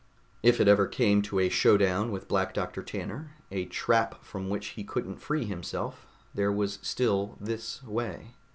If it ever came to a showdown with Black Doctor Tanner, a trap from which he couldn't free himself, there was still this way.